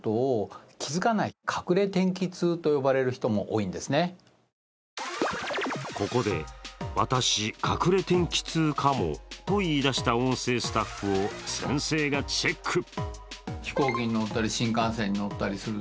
そのためここで、私、隠れ天気痛かもと言い出した音声スタッフを先生がチェック。